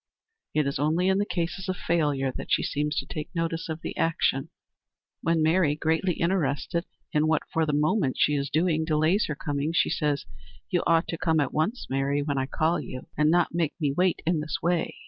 It is only in the cases of failure that she seems to notice the action. When Mary, greatly interested in what for the moment she is doing, delays her coming, she says, "You ought to come at once, Mary, when I call you, and not make me wait in this way."